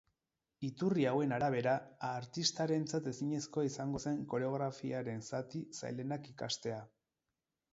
Iturri hauen arabera, artistarentzat ezinezkoa izan zen koreografiaren zati zailenak ikastea.